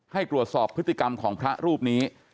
ให้ตรวจสอบพฤติกรรมของพระรูปนี้